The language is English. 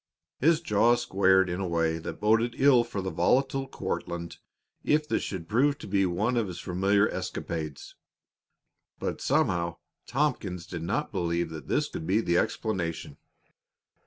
His jaw squared in a way that boded ill for the volatile Courtlandt if this should prove to be one of his familiar escapades. But, somehow, Tompkins did not believe that this could be the explanation.